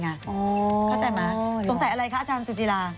เข้าใจไหมสงสัยอะไรคะอาจารย์สุจิลา